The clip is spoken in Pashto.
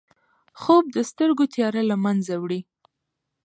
خوب د سترګو تیاره له منځه وړي